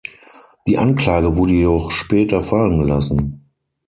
Die Anklage wurde jedoch später fallen gelassen.